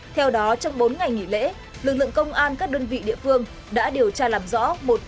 theo đó trong bốn ngày nghỉ lễ lực lượng công an các đơn vị địa phương đã điều tra làm rõ